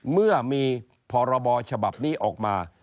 เมื่อมีพรบฉบับนี้ออกมา